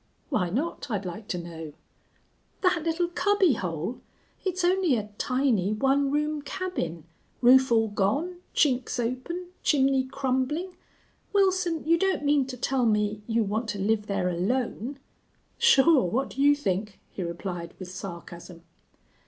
"Why not, I'd like to know?" "That little cubby hole! It's only a tiny one room cabin, roof all gone, chinks open, chimney crumbling.... Wilson, you don't mean to tell me you want to live there alone?" "Sure. What'd you think?" he replied, with sarcasm.